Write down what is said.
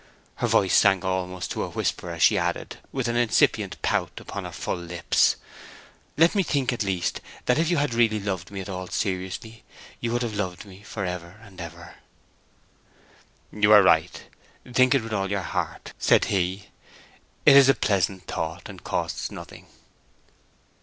Her voice sank almost to a whisper as she added, with an incipient pout upon her full lips, "Let me think at least that if you had really loved me at all seriously, you would have loved me for ever and ever!" "You are right—think it with all your heart," said he. "It is a pleasant thought, and costs nothing."